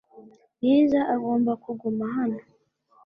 Bwiza agomba kuguma hano .